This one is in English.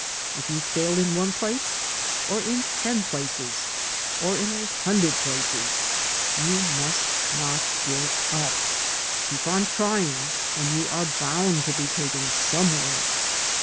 K you failed in one place, or in ten places, or m a hundred places, you must not give up. Keep on trying and you are bound to be taken somewhere.